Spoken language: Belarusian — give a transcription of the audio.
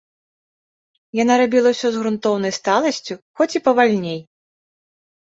Яна рабіла ўсё з грунтоўнай сталасцю, хоць і павальней.